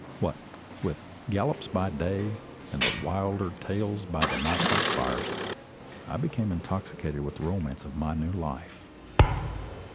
What with gallops by day and the wilder tales by the night watch fires, I became intoxicated with the romance of my new life.